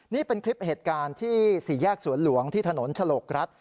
นี่เป็นคลิปเหตุการณ์ที่สี่แยกสวนหลวงที่ถนนฉลกรัฐ